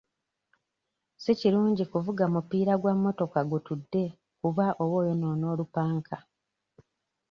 Si kirungi kuvuga mupiira gwa mmotoka gutudde kuba oba oyonoona olupanka.